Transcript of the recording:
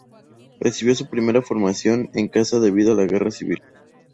Recibió su primera formación en casa debido a la guerra civil.